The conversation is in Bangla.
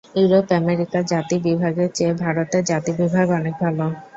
ইউরোপ-আমেরিকার জাতিবিভাগের চেয়ে ভারতের জাতিবিভাগ অনেক ভাল।